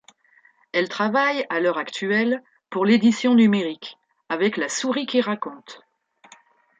Elle travaille à l'heure actuelle pour l'édition numérique, avec La Souris Qui Raconte.